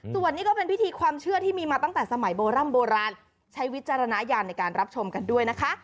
ส่วนนี้ก็เป็นพิธีความเชื่อที่มีมาตั้งแต่สมัยโบร่ำโบราณใช้วิจารณญาณในการรับชมกันด้วยนะคะ